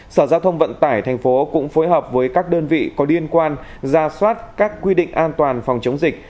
sở giao thông vận tải tp cũng phối hợp với các đơn vị có liên quan ra soát các quy định an toàn phòng chống dịch